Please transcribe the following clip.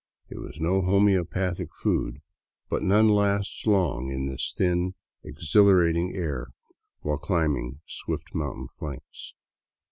It was no homeopathic food, but none lasts long in this thin, exhilarating air, while climbing swift mountain flanks.